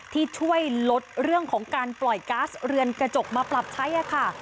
ที่ช่วยลดเรื่องของการปล่อยก๊าซเรือนกระจกมาปรับใช้ค่ะ